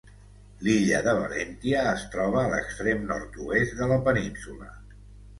L'illa de Valentia es troba a l'extrem nord-oest de la península.